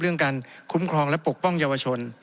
เรื่องการคุ้มครองและปกป้องเยาวชน